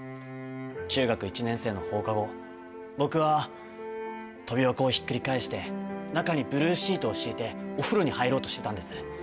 中学１年生の放課後僕は跳び箱をひっくり返して中にブルーシートを敷いてお風呂に入ろうとしてたんです。